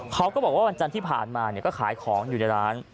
เขาก็บอกว่าวันจันทร์ที่ผ่านมาก็ขายของอยู่ในร้าน